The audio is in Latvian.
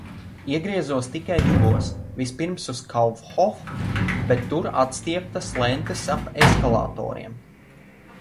Iegriezos tikai divos. Vispirms uz Kaufhof. Bet tur apstieptas lentes ap eskalatoriem.